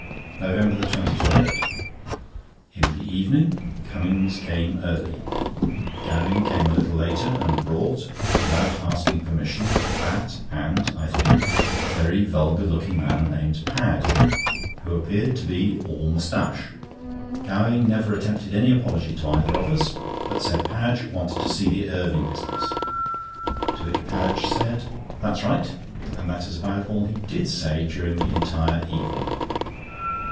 NOVEMBER 23.—In the evening, Cummings came early. Gowing came a little later and brought, without asking permission, a fat and, I think, very vulgar looking man named Padge, who appeared to be all moustache. Gowing never attempted any apology to either of us, but said Padge wanted to see the Irving business, to which Padge said: "That's right," and that is about all he did say during the entire evening.